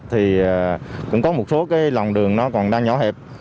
thì cũng có một số cái lòng đường nó còn đang nhỏ hẹp